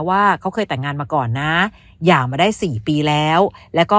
ว่าเขาเคยแต่งงานมาก่อนนะหย่ามาได้สี่ปีแล้วแล้วก็